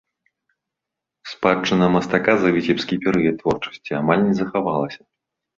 Спадчына мастака за віцебскі перыяд творчасці амаль не захавалася.